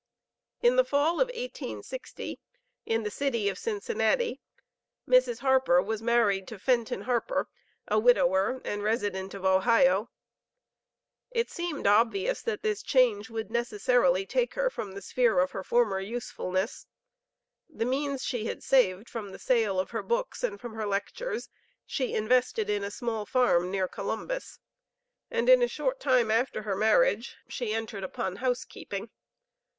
In the fall of 1860, in the city of Cincinnati, Mrs. Harper was married to Fenton Harper, a widower, and resident of Ohio. It seemed obvious that this change would necessarily take her from the sphere of her former usefulness. The means she had saved from the sale of her books and from her lectures, she invested in a small farm near Columbus, and in a short time after her marriage she entered upon house keeping.